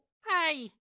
はい。